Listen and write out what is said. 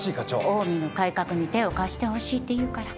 オウミの改革に手を貸してほしいって言うから。